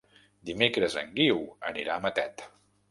Dimecres en Guiu anirà a Matet.